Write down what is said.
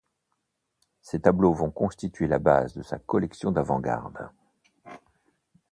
Ces tableaux vont constituer la base de sa collection d'avant-garde.